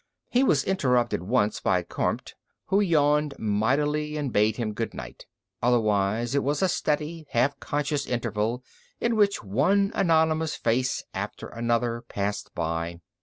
He was interrupted once by Kormt, who yawned mightily and bade him goodnight; otherwise it was a steady, half conscious interval in which one anonymous face after another passed by.